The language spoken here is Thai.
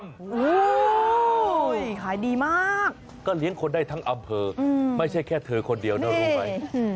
โอ้โหขายดีมากก็เลี้ยงคนได้ทั้งอำเภอไม่ใช่แค่เธอคนเดียวนะรู้ไหม